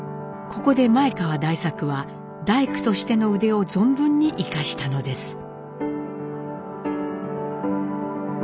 ここで前川代作は大工としての腕を存分に生かしたのです。